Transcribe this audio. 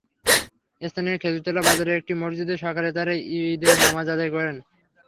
স্থানীয় খেজুরতলা বাজারের একটি মসজিদে সকালে তাঁরা ঈদের নামাজ আদায় করেন।